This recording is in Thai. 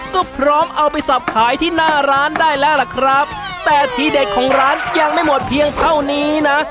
ก็พร้อมเอาไปสับขายที่หน้าร้านได้แล้วล่ะครับแต่ทีเด็ดของร้านยังไม่หมดเพียงเท่านี้นะ